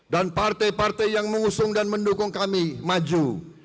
dan partai partai yang mengusung dan mendukung kami maju